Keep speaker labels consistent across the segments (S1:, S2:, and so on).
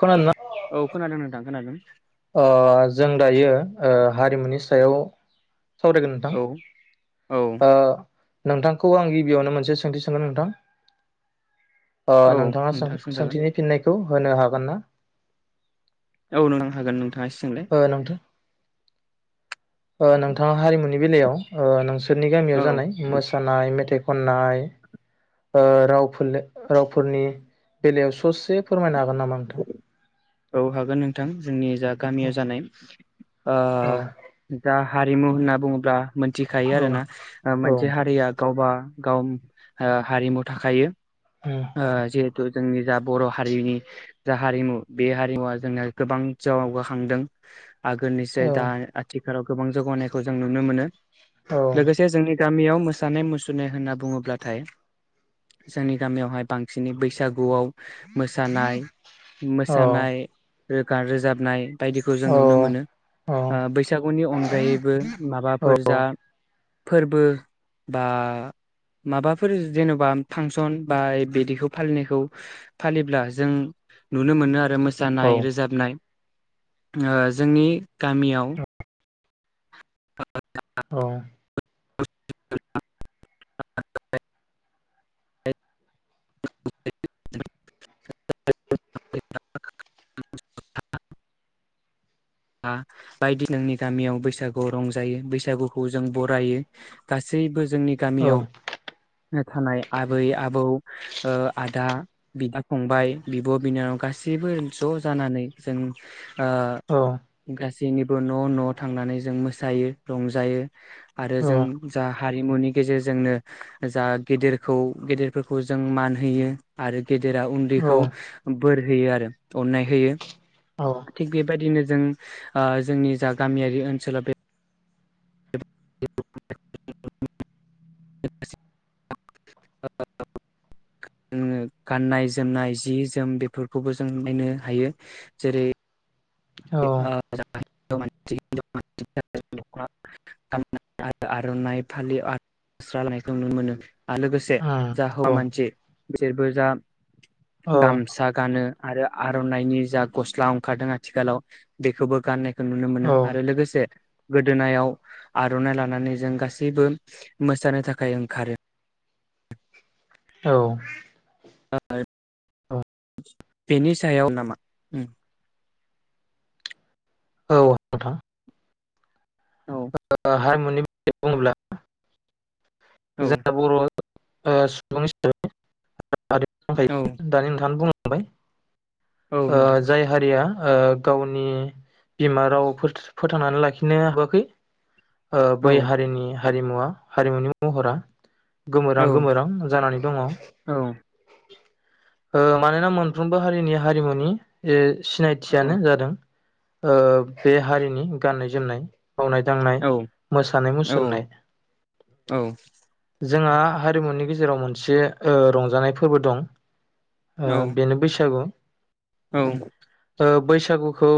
S1: खोनादोंना?
S2: औ खोनादों नोंथां खोनादों।
S1: अ जों दायो ओ हारिमुनि सायाव सावरायगोन
S2: औ औ
S1: नोंथां नोंथांखौ आं गिबियावनो मोनसे सोंथि सोंगोन नोंथां
S2: औ
S1: नोंथाङा
S2: नोंथां सोंजागोन
S1: सोंथिनि फिननायखौ होनो हागोन ना?
S2: औ नोंथां हागोन नों
S1: ओ
S2: [unintelligible]
S1: नोंथां नोंथाङा हारिमुनि बेलायाव ओ नों बिसोरनि
S2: औ
S1: गामियाव जानाय मोसानाय मेथाइ खनाय ओ रावफोलेर रावफोरनि बेलायाव ससे फोरमायनो हागोन नामा नोंथां?
S2: औ हागोन नोंथां जोंनि जा गामियाव जानाय ओ
S1: औ
S2: जा हारिमु होनना बुङोब्ला। मोनथिखायो
S1: औ
S2: आरो ना ओ
S1: औ
S2: मोनसे
S1: नोंथां
S2: हारिया गावबा गाव ओ हारिमु थाखायो
S1: उम
S2: ओ जिहेथु जोंनि जा बर' हारिनि जा हारिमु बे हारिमुवा जोंना गोबां जावगाखांदों आगोलनिसै
S1: औ
S2: दा आथि लाव गोबां जौगानायखौ जों नुनो मोनो
S1: औ
S2: लोगोसे जोंनि गामियाव मोसानाय मुसुरनाय होनना बुङोब्लाथाय जोंनि गामियावहाय बांसिनै बैसागुआव मोसानाय
S1: औ
S2: सानाय रोगा रोजाबनाय बायदिखौ जों
S1: औ
S2: नुनो मोनो ओ बैसागुनि अनगायैबो माबाफोर जा फोरबो बा माबाफोर जेनेबा फांसन बा बिदिखौ फालिनायखौ फालिब्ला जों नु नो मोनो आरो आरो
S1: औ
S2: मोसानाय रोजाबनाय ओ जोंनि गामियाव
S1: औ
S2: [unintelligible] [unintelligible] [unintelligible] आ बायदि जोंनि गामियाव बैसागुआव रंजायो बैसागुखौ जों बरायो गासैबो जोंनि
S1: औ
S2: गामियाव थानाय आबै आबौ ओ आदा बिदा फंबाय बिब' बिनानाव गासैबो ज' जानानै जों ओ
S1: औ
S2: गासैनिबो न' न' थांनानै जों मोसायो रंजायो आरो जों जा हारिमुनि गेजेरजोंनो जा गेदेरखौ गेदेरफोरखौ जों मान होयो आरो गेदेरा उन्दैखौ बोर होयो आरो अन्नाय होयो थिक बेबायदिनो जों ओ जोंनि जा गामियारि ओनसोलाव बे गाननाय जोमनाय जि जोम बेफोरखौबो जों नायनो हायो जेरै [unintelligible]
S1: औ
S2: आ आर'नाइ फालिनायखौ नुनो मोनो लोगोसे जा हुवा मानसि बेसोररबोजा गामसा गानो आरो आर'नाइनि जा गस्ला ओंखारदों आथिखालाव बेखौबो गाने नुनो
S1: औ
S2: मोनो आरो लोगोसे गोदोनायाव आर'नाइ लानानै जों गासिबो मोसानो थाखाय ओंखारो।
S1: औ
S2: [unintelligible] बेनि सायाव नामा?
S1: औ नोंथां।
S2: औ
S1: हाय माने [unintelligible] बुङोब्ला
S2: औ
S1: जा बर' ओ सुबुं हिसाबै
S2: औ
S1: [unintelligible] दानि नोंथाङानो बुं बाय
S2: औ
S1: ओ
S2: नोंथां
S1: जाय हारिया ओ गावनि बिमा राव फोथांनानै लाखिनो हाबा खै ओ
S2: औ
S1: बै हारिनि हारिमुवा हारिमुनि महरा गोमोरां
S2: औ
S1: गोमोरां जानानै दङ। ओ मानोना मोनफ्रोमबो हारिनि हारिमुनि ए
S2: औ
S1: सिनायथियानो जादों ओ बे हारिनि गाननाय जोमनाय। मावनाय दांनाय मोसानाय मुसुरनाय।
S2: औ औ
S1: जोंहा हारिमुनि गेजेराव मोनसे रंजानाय फोरबो दं। ओ
S2: औ
S1: बेनो बैसागु।
S2: औ
S1: ओ बैसागुखौ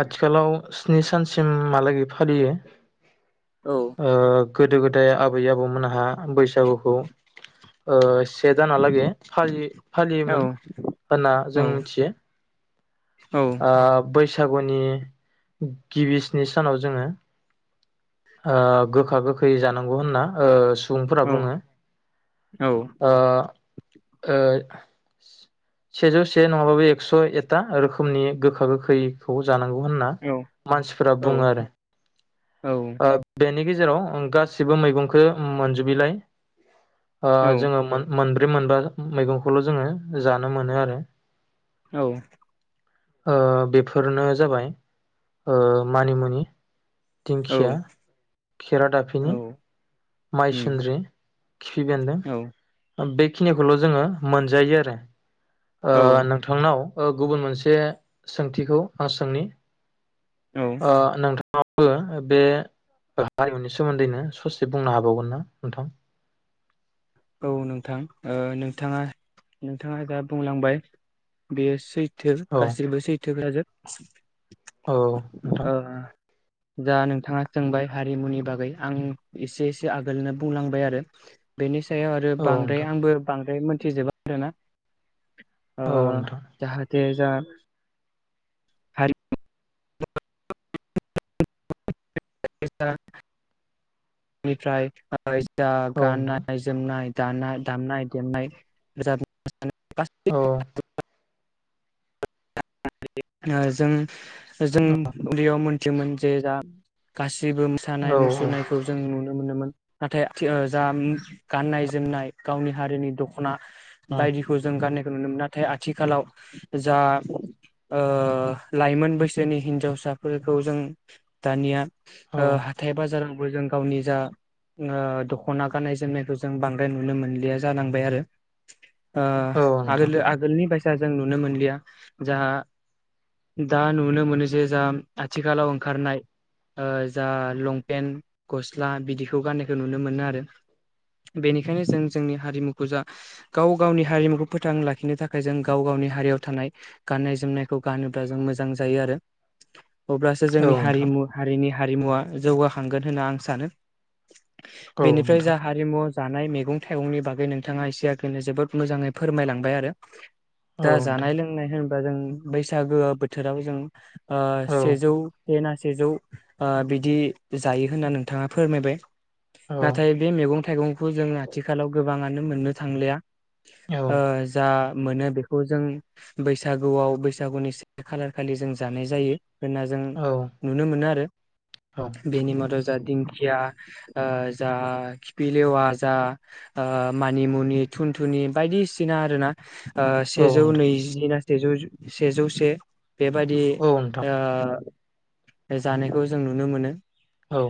S1: आथिखालाव स्नि सानसिमहालागै फालियो। ओ गोदो गोदाय आबै आबौमोनहा बैसागुखौ ओ से दानालागै फालि-फालियोमोन होनना जों
S2: नोंथां ओ
S1: आ बै सागुनि गिबि सिनि सानाव जोङो ओ गोखा गोखै जानांगौ होनना ओ बुंफोरा बुङो। ओ ऐ सेजौ से नङाबाबो एकस' एथा रोखोमनि गोखा गोखैखौ जानांगौ होनना मानसिफोरा बुङो आरो आ बेनि ग जेराव गासिबो मैगंखो मोनजोबिलाय ओ जोङो मोनदों मोनबा मैगंखौल' जोङो जानो मोनो आरो
S2: औ
S1: ओ बेफोरनो जाबाय ओ मानिमुनि दिंखिया खेरादाफिनि माइसन्द्रि खिफि बेन्दों बेखिनिखौल' जोङो मोनजायो आरो ओ नोंथांनाव ओ गुबुन मोनसे सोंथिखौ आं सोंनि ओ नोंथां ओ बे हारिमुनि सोमोन्दैनो ससे बुंनो हाबावगोन ना नोंथां
S2: औ नोंथां ओ नोंथाङा नोंथाङा जा बुंलांबाय बेयो सैथ थो
S1: औ
S2: गासिबो सैथोफोराजोब [inaudible]
S1: औ नोंथां
S2: जा नोंथाङा सोंबाय हारिमुनि बागै आं एसे एसे आगोलनो बुंलांबाय आरो बेनि सायाव आरो
S1: औ
S2: बांद्राय
S1: नोंथां
S2: आंबो बांद्राय मोन थिजोबा आरोना आ
S1: औ नोंथां
S2: जाहा थे जा हारि [unintelligible] नि फ्राय फैसा
S1: औ नोंथां
S2: गाननाय जोमनाय दाना दामनाय देमनाय
S1: औ
S2: [unintelligible] [unintelligible] जों जों उन्दैयाव मोन थियोमोन जे जा गासिबो जेबो
S1: औ
S2: मोसानाय मुसुरनायखौ जों नुनो मोनोमोन नाथाय आथिखाल जा गाननाय जोमनाय गावनि हारिनि दख'ना
S1: औ
S2: बायदिखौ जों गानाय नुनो मोनो नाथाय आथिखालाव जा ओ लाइमोन बैसोनि हिनजावसाफोरखौ जों दानिया ओ
S1: औ
S2: हाथाय बाजार बो जों गावनि जा ओ दख'ना गाननाय जोमनायखौ जों बांद्राय नुनो मोनलिया जानांबाय आरो। आ
S1: औ
S2: आगोल
S1: नोंथां
S2: आगोलनि बा सा जों नुनो मोनलिया। जा दा नुनो मोनो जे जा आथिखालाव ओंखारनाय ओ जा लंपेन्ट गस्ला बिदिखौ गाननायखौ नुनो मोनो आरो बेनिखायनो जों जोंनि हारिमुखौ जा गाव गावनि हारिमुखौ फोथां लाखिनो थाखाय जों गाव गावनि हारियाव थानाय गाननाय जोमनायखौ गानोब्ला जों मोजां जायो आरो। अब्लासो
S1: औ
S2: जोंनि
S1: नोंथां
S2: हारिमु हारिनि हारिमुवा जौगाखांगोन होनना आं सानो।
S1: औ
S2: बेनिफ्राय जा
S1: नोंथां
S2: हारिमु जानाय मैगं थाइगंनि बागै नोंथाङा एसे आगोलनो जोबोद मोजाङै फोरमायलांबाय आरो।
S1: औ
S2: दा जानाय
S1: नोंथां
S2: लोंनाय होन ब्ला जों बैसागो बोथोराव जों आ
S1: औ
S2: सेजौ से ना सेजौ आ बिदि जायो होनना नोंथाङा फोरमायबाय। नाथाय बे मैगं थाइगंखौ जों आथिखालाव गोबाङानो नुनो मोननो थांलिया।
S1: औ
S2: ओ जा मोनो बेखौ जों बैस सागुआव बैसागुनि से खालार खालि जों जानाय जायो। होनना जों
S1: औ
S2: नुनो मोनो आरो
S1: नोंथां औ
S2: बेनि मादाव जा दिंखिया आ जा खिफिलेवा जा ओ मानिमुनि थुन थुनि बायदिसिना आरो ना ओ सेजौ नैजिना सेजौ सेजौ से। बेबादि
S1: नोंथां
S2: आ बे जानायखौ जों नुनो मोनो।
S1: औ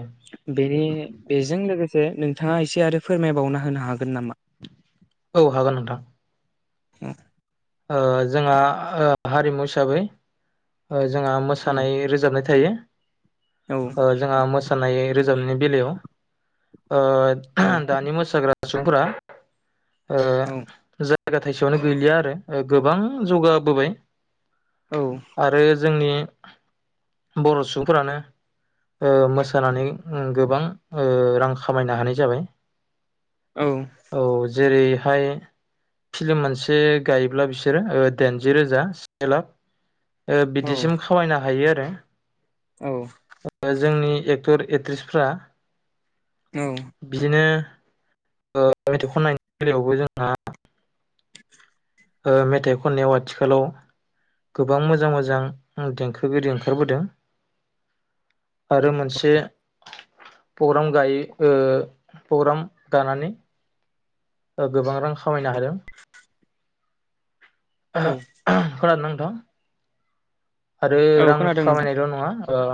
S2: बेनि बेजों लोगो जे नोंथाङा एसे आरो फोरमायबावना होनो हागोन नामा?
S1: औ हागोन नोंथां।
S2: हम
S1: ओ जोंहा ओ हारिमु हिसाबै ओ जोंहा
S2: औ
S1: मोसानाय रोजाबनाय थायो।
S2: औ
S1: [inaudible] ओ जोंहा मोसानाय रोजाबनायनि बेलायाव ओ दानि मोसाग्रा स फ्रा ओ
S2: औ
S1: जायगा थाइसेयावनो गैलिया आरो गोबां जौगाबोबाय
S2: औ
S1: आरो जोंनि बर' सुबुंफोरानो ओ मोसानानै उम गोबां ओ रां खामायनो हानाय जाबाय
S2: औ
S1: जेरैहाय फिल्म मोनसे गायोब्ला बिसोरो ओ दाइनजि रोजा से लाख ओ बिदिसिम खामायनो हायो आरो
S2: औ
S1: [inaudible] जोंनि एक्टर एक्ट्रिसफ्रा बिदिनो ओ मेथाइ खन्नायनि बेलायावबो जोंहा ओ मेथाइ खननायाव आथिखालाव गोबां मोजां मोजां देंखोगिरि ओंखारबोदों आरो मोनसे प्रग्राम गायो ओ प्रग्राम गानानै गोबां रां खामायनो हादों
S2: [inaudible] औ
S1: र नांग [unintelligible] थां आरो
S2: औ
S1: रां
S2: खोनादों नोंथां
S1: खामायनायल' नङा ओ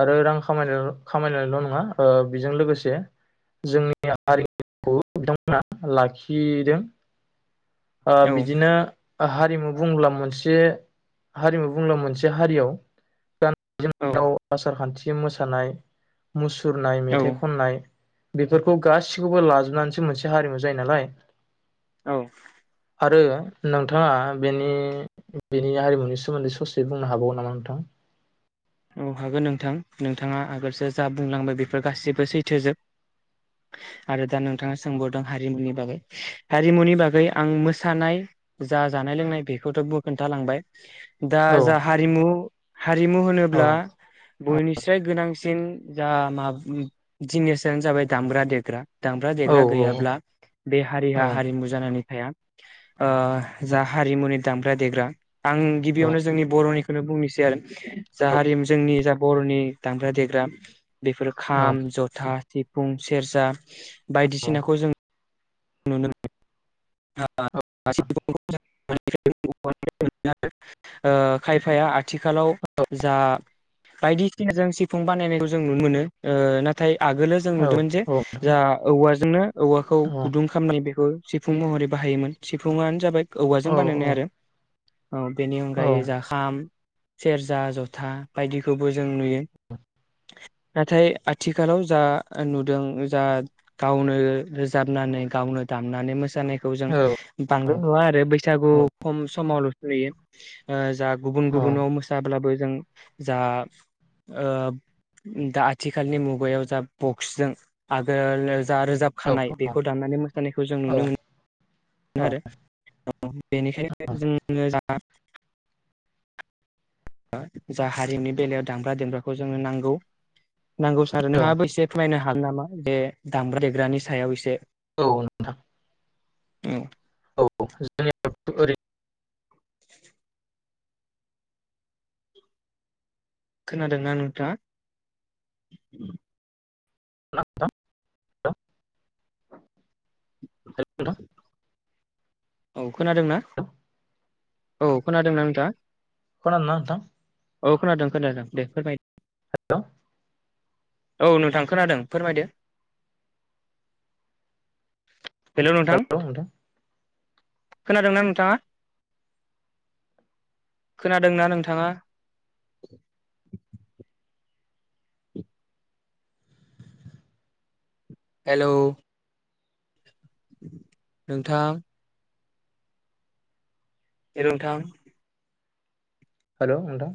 S1: आरो रां खामाय खामायनायल' नङा ओ बेजों लोगोसे जोंनि हारिखौ बिथांमोना लाखिदों ओ
S2: औ
S1: बिदिनो हारिमु बुंब्ला मोनसे हारिमु बुंब्ला मोनसे हारियाव
S2: औ
S1: याव आसार खान्थि मोसानाय मुस सुरनाय
S2: औ
S1: मेथाइ खननाय बेफोरखौ गासिखौबो लाजोबनानैसो मोनसे हारिमु जायो नालाय
S2: औ
S1: आरो नोंथाङा बेनि बेनि हारिमुनि सोमोन्दै ससे बुंनो हाबावगो नामा नोंथां
S2: औ हागोन नोंथां नोंथाङा आगोलसो जा बुंलांबाय बेफोर गासिबो सैथोजोब आरो दा नोंथाङा सोंबावदों हारिमुनि बागै हारिमुनि बागै आं मोसानाय जा जानाय लोंनाय बेखौथ' खोन्थालांबाय दा
S1: औ
S2: जा हारिमु हारिमु होनो
S1: औ
S2: ब्ला बयनिस्राय गोनां बांसिन जा मा जिनिसानो जाबाय दामग्रा देग्रा दामग्रा
S1: औ
S2: देग्रा गैयाब्ला बे हारिहा
S1: औ
S2: हारिमु जानानै ओ जा हारिमुनि दामग्रा देग्रा आं गिबियावनो जोंनि बर'नि होननो बुंनोसै आरो [unintelligible] जा हारिमु जोंनि जा बर'नि दामग्रा देग्रा बेफोर
S1: औ
S2: खाम जथा सिफुं सेरजा
S1: औ
S2: बायदिसिनाखौ जों नुनो मोनो ओ खायफाया आथिखालाव जा बायदिसिना जों सिफुं बानायनायखौ जों नुनो मोनो ओ नाथाय आगोलो जों
S1: औ
S2: नुदोंमोन जे जा औवा जोंनो औवाखौ
S1: औ
S2: गुदुं खालामनानै बेखौ सिफुं महरै बाहायोमोन सिफुङानो जाबाय
S1: औ
S2: औवाजों बानायनाय आरो औ बेनि
S1: औ
S2: अनगायै जाखाम सेरजा जथा बायदिखौबो जों नुयो नाथाय आथिखालाव जा नुदों जा गावनो रोजाबनानै गावनो दामनानै मो सानायखौ जों बांद्राय नुवा आरो बैसागु खम समावल' यो आ जा गुबुन
S1: औ
S2: गुबुनाव मोसाब्लाबो जों जा ओ दा आथिखालनि मुगायाव जा बक्स जों आगोल जा रोजाबखानाय बेखौ दामनानै मोसानायखौ जों नुनो मोनो मोनो आरो बेनिखायनो
S1: नोंथां
S2: जों [unintelligible] जा हारिमुनि बेलायाव दामब्रा देमग्राखौ जोङो नांगौ नांगौ सार नोंथांङाबो एसे फोरमायनो हा हागोन नामा बे दामग्रा देग्रानि सायाव एसे?
S1: औ नोंथां।
S2: औ
S1: औ जोंनियावथ ओरै
S2: खोनादोंना नोंथांङा?
S1: [unintelligible] हेल नोंथां
S2: औ खोनादों ना?
S1: हेल'
S2: औ खोनादोंना नोंथांङा?
S1: खोनादोंना नोंथां?
S2: औ खोनादों खोनादों दे फोरमाय।
S1: हेल'
S2: औ नोंथां खोनादों फोरमायदो। हेल' नोंथां। खोनादोंना नोंथाङा खोनादोंना नोंथाङा? हेल' नोंथां। हेल' नोंथां।
S1: हेल' नोंथां।